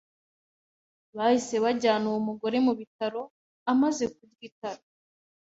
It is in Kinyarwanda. Bahise bajyana uwo mugore mu bitaro amaze kurya itara.